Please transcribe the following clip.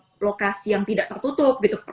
ada di lokasi yang tidak tertutup gitu